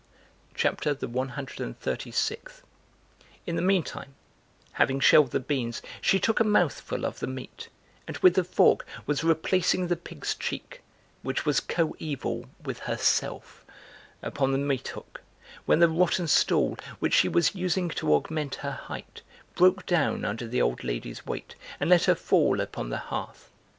CHAPTER THE ONE HUNDRED AND THIRTY SIXTH. In the meantime, (having shelled the beans,) she took a mouthful of the meat and with the fork was replacing the pig's cheek, which was coeval with herself, upon the meat hook, when the rotten stool, which she was using to augment her height, broke down under the old lady's weight and let her fall upon the hearth.